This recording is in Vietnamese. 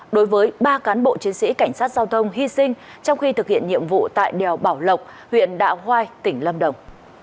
đối với ba cán bộ chiến sĩ cảnh sát giao thông hy sinh trong khi thực hiện nhiệm vụ tại đèo bảo lộc huyện đạo hoai tỉnh lâm đồng